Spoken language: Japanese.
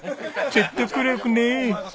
説得力ねえ！